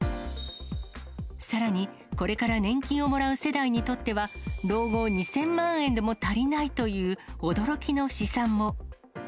さらに、これから年金をもらう世代にとっては、老後２０００万円でも足りないという驚きの試算も。